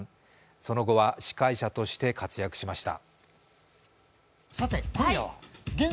その後は司会者として活躍しました。